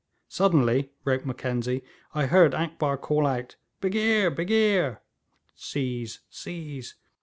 'Suddenly,' wrote Mackenzie, 'I heard Akbar call out, "Begeer! begeer!" ("Seize! seize!")